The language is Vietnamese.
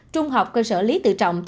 trung học cơ sở lý tự trọng